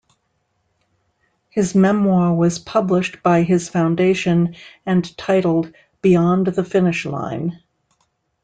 His memoir was published by his foundation and titled "Beyond the Finish Line".